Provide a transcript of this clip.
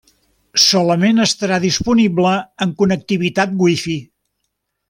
Solament estarà disponible amb connectivitat Wi-Fi.